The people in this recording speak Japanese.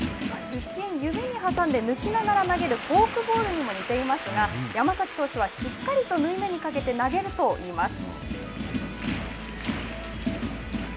一見指に挟んで抜きながら投げるフォークボールにも似ていますが山崎投手はしっかりと縫い目にかけて投げるといいます。